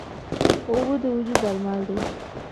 اوبه د وجود درمل دي.